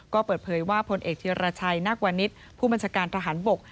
ก็เปิดเผยว่าพลเอกธิรชัยนักวานิสผู้บัญชาการทหารบก